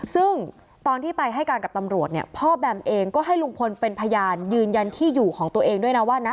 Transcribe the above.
ซึ่งตอนที่ไปให้การกับตำรวจเนี่ยพ่อแบมเองก็ให้ลุงพลเป็นพยานยืนยันที่อยู่ของตัวเองด้วยนะว่านะ